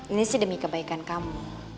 ini sih demi kebaikan kamu